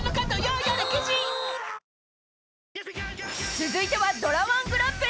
［続いてはドラ−１グランプリ。